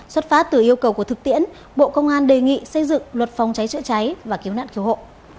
xuất phát từ yêu cầu của thực tiễn bộ công an đề nghị xây dựng luật phòng cháy chữa cháy và cứu nạn cứu hộ